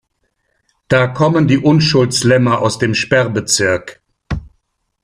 Da kommen die Unschuldslämmer aus dem Sperrbezirk.